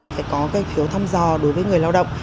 phải có cái phiếu thăm dò đối với người lao động